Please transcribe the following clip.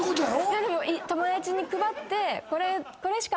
でも友達に配って。